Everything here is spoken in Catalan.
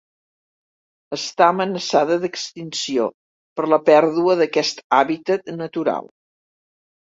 Està amenaçada d'extinció per la pèrdua d'aquest hàbitat natural.